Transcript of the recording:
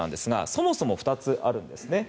そもそも２つあるんですね。